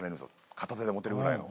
片手で持てるぐらいの。